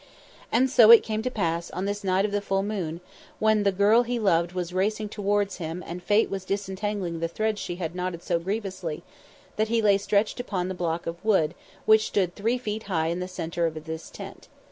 And so it came to pass on this night of the full moon, when the girl he loved was racing towards him and Fate was disentangling the threads she had knotted so grievously, that he lay stretched upon the block of wood which stood three feet high in the centre of this tent.